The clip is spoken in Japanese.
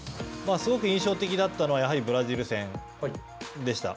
すごく印象的だったのはやはりブラジル戦でした。